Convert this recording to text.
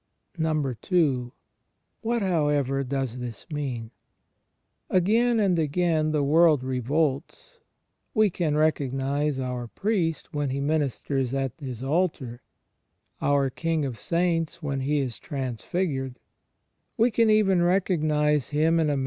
n. What, however, does this mean? Again and again the world revolts. We can recognize our Priest when he ministers at His altar; our King of Saints when He is transfigured; we can even recognize Him, in a ^ Matt, zzvi : 50.